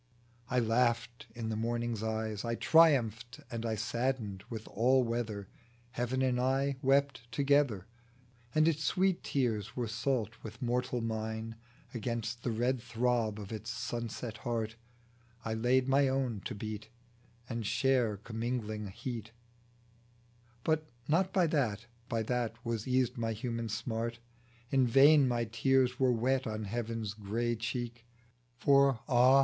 I laughed in the morning's eyes. I triumphed and I saddened with all weather, Heaven and I wept together, And its sweet tears were salt with mortal mine; Against the red throb of its sunset heart I laid my own to beat, And share commingling heat ; But not by that, by that, was eased my human smart. In vain my tears were wet on Heaven's grey cheek. For ah